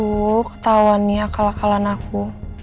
aduh ketauannya akal akalan aku